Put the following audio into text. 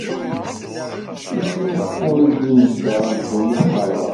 Ittmuqul-d imezdaɣ n ddunit merra.